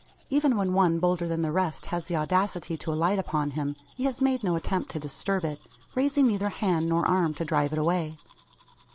Even when one bolder than the rest has the audacity to alight upon him, he has made no attempt to disturb it, raising neither hand nor arm to drive it away!